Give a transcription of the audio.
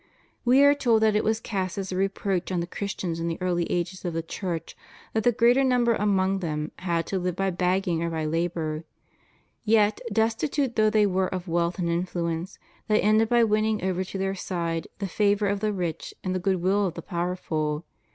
We are told that it was cast as a reproach on the Christians in the early ages of the Church that the greater number among them had to live by begging or by labor. Yet, destitute though they were of wealth and influence, they ended by winning over to their side the favor of the rich and the good will of the powerful.